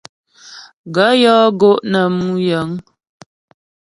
Gaə̂ yɔ́ gó' nə mú yəŋ.